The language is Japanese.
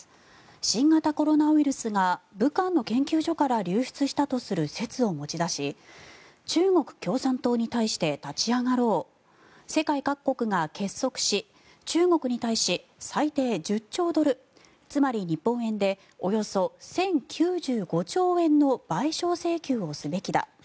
新型コロナウイルスが武漢の研究所から流出したとする説を持ち出し中国共産党に対して立ち上がろう世界各国が結束し中国に対し最低１０兆ドル、つまり日本円でおよそ１０９５兆円の賠償請求をすべきだ